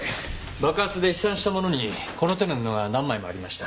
爆発で飛散したものにこの手の布が何枚もありました。